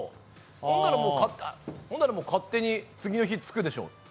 それなら、もう勝手に次の日着くでしょ。